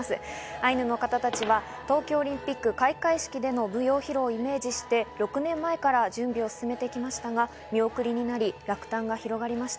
アイヌの方たちは東京オリンピック開会式での舞踊披露をイメージして６年前から準備を進めてきましたが見送りになり、落胆が広がりました。